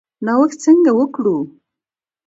نوښت څنګه وکړو؟